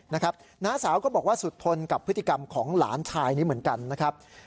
น้าสาวก็บอกว่าสุดทนกับพฤติกรรมของหลานชายนี้เหมือนกันนะครับ